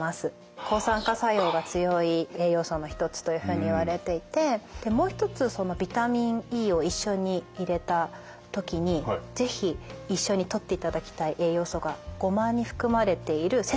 抗酸化作用が強い栄養素の一つというふうにいわれていてでもう一つそのビタミンＥを一緒に入れた時に是非一緒にとっていただきたい栄養素がゴマに含まれているセサミンなんですね。